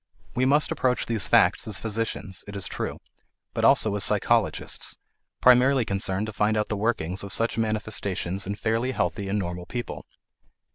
We must approach these facts as physicians, it is true, but also as psychologists, primarily concerned to find out the workings of such manifestations in fairly healthy and normal people.